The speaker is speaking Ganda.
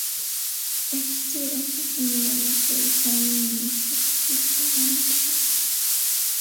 Ekitiibwa kifunibwa na kweyisa bulungi si kutiisa bantu.